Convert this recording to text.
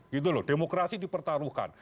gitu loh demokrasi dipertaruhkan